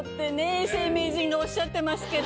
永世名人がおっしゃってますけど。